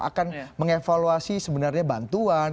akan mengevaluasi sebenarnya bantuan